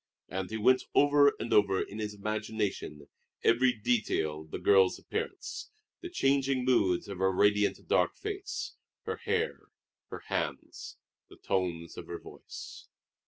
And he went over and over in his imagination every detail of the girl's appearance, the changing moods of her radiant dark face, her hair, her hands, the tones of her voice.